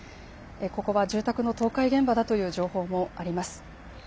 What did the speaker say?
ここは住宅の倒壊現場だという情報もあります。